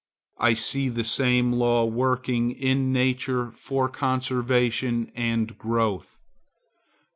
I see the same law working in nature for conservation and growth.